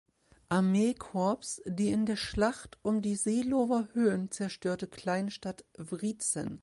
Armeekorps die in der Schlacht um die Seelower Höhen zerstörte Kleinstadt Wriezen.